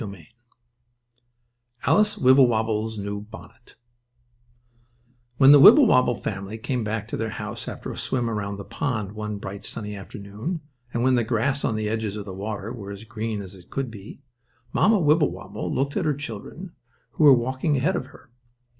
STORY III ALICE WIBBLEWOBBLE'S NEW BONNET When the Wibblewobble family came back to their house after a swim around the pond one bright sunny afternoon, and when the grass on the edges of the water was as green as it could be, Mamma Wibblewobble looked at her children, who were walking ahead of her.